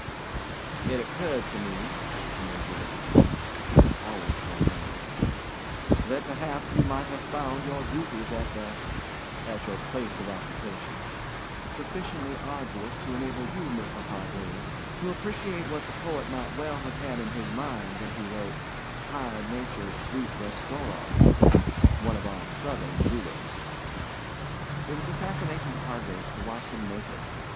"It occurred to me," the Major would begin—he was always ceremonious—"that perhaps you might have found your duties at the—at your place of occupation—sufficiently arduous to enable you, Mr. Hargraves, to appreciate what the poet might well have had in his mind when he wrote, 'tired Nature's sweet restorer'—one of our Southern juleps." It was a fascination to Hargraves to watch him make it.